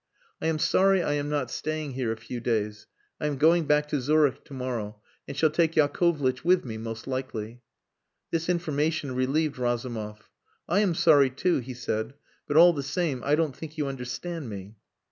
I am sorry I am not staying here a few days. I am going back to Zurich to morrow, and shall take Yakovlitch with me most likely." This information relieved Razumov. "I am sorry too," he said. "But, all the same, I don't think you understand me."